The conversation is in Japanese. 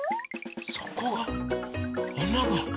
そこがあなが。